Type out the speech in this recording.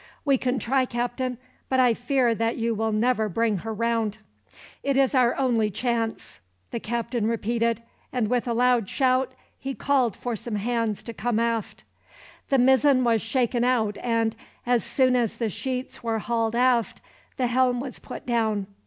"We can try, Captain, but I fear that you will never bring her round." "It is our only chance," the captain repeated, and with a loud shout, he called for some hands to come aft. The mizzen was shaken out and, as soon as the sheets were hauled aft, the helm was put down.